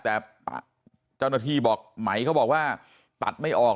แต่เจ้าหน้าที่บอกไหมเขาบอกว่าตัดไม่ออก